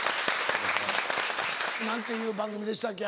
何ていう番組でしたっけ